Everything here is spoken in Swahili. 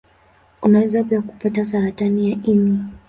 Unaweza pia kupata saratani ya ini.